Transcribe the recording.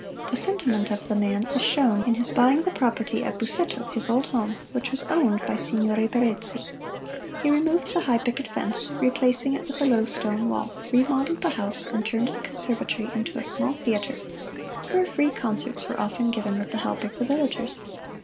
The sentiment of the man is shown in his buying the property at Busseto, his old home, which was owned by Signore Barezzi. He removed the high picket fence, replacing it with a low stone wall; remodeled the house and turned the conservatory into a small theater, where free concerts were often given with the help of the villagers.